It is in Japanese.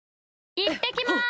いってきます！